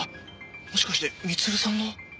もしかして光留さんの？